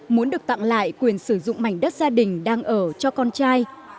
muốn được tặng lại quyền sử dụng mảnh đất gia đình đang ở cho con trai